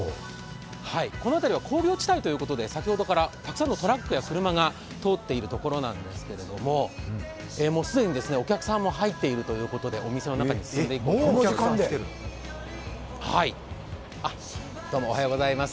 この辺りは工業地帯ということで、先ほどからたくさんのトラックや車が通っているところなんですけれども、既にお客さんも入っているということでお店の中に進んでいこうと思います。